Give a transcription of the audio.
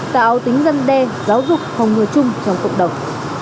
tạo tính dân đe giáo dục hồng người chung trong cộng đồng